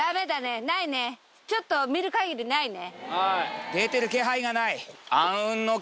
ちょっと見る限りないね。